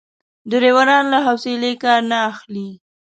ډریوران له حوصلې کار نه اخلي.